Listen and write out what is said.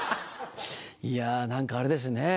いや何かあれですね。